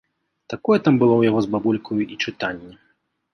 Такое там было ў яго з бабулькаю і чытанне.